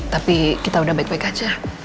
tapi kita udah baik baik aja